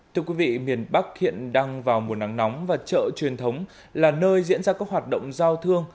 thưa quý vị miền bắc hiện đang vào mùa nắng nóng và chợ truyền thống là nơi diễn ra các hoạt động giao thương